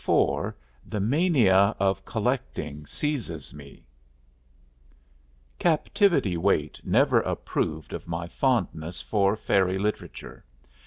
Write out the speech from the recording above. IV THE MANIA OF COLLECTING SEIZES ME Captivity Waite never approved of my fondness for fairy literature.